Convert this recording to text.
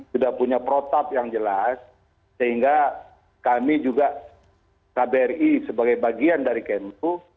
sudah punya protap yang jelas sehingga kami juga kbri sebagai bagian dari kemlu